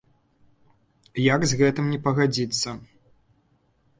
Як з гэтым не пагадзіцца!